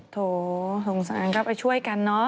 โถสงสารก็ไปช่วยกันเนอะ